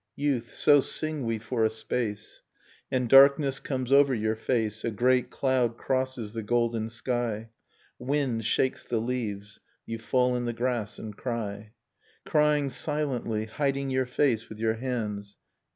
youth ... so sing we for a space ... And darkness comes over your face, A great cloud crosses the golden sky. Wind shakes the leaves, you fall in the grass and cry ; Crying silently, hiding your face with your hands.